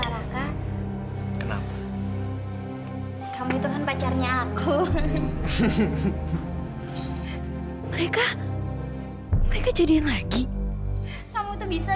raka raka kamu itu kan pacarnya aku mereka mereka jadiin lagi kamu tuh bisa